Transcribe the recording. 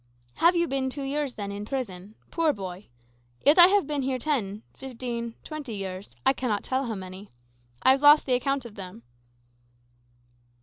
"Have you been two years, then, in prison? Poor boy! Yet I have been here ten, fifteen, twenty years I cannot tell how many. I have lost the account of them."